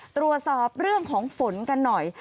ตรวจสอบเรื่องของฝนกันหน่อย